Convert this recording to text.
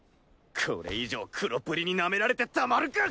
これ以上黒プリに舐められてたまるか！